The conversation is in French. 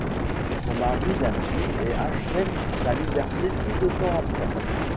Son mari la suit et achète sa liberté peu de temps après.